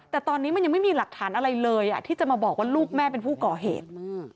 แต่ตอนนี้มันยังไม่มีหลักฐานอะไรเลยที่จะมาบอกว่าลูกแม่เป็นผู้ก่อเหตุ